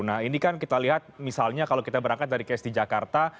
nah ini kan kita lihat misalnya kalau kita berangkat dari cast di jakarta